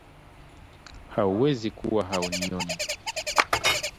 Hauwezi kuwa haunioni